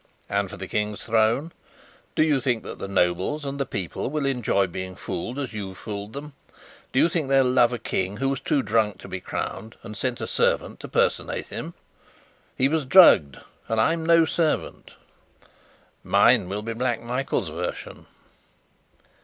"And for the King's throne? Do you think that the nobles and the people will enjoy being fooled as you've fooled them? Do you think they'll love a King who was too drunk to be crowned, and sent a servant to personate him?" "He was drugged and I'm no servant." "Mine will be Black Michael's version."